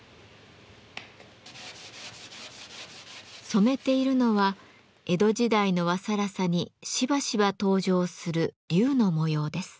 染めているのは江戸時代の和更紗にしばしば登場する龍の模様です。